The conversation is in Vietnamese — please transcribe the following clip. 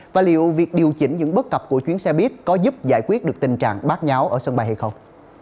và liệu việc điều chỉnh những bất cập của chuyến xe buýt có giúp giải quyết được tình trạng bác nháo ở sân bay hay không